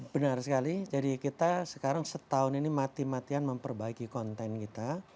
benar sekali jadi kita sekarang setahun ini mati matian memperbaiki konten kita